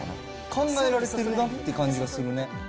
考えられてるなって感じがするね。